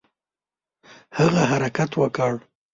هغه حرکت وکړ.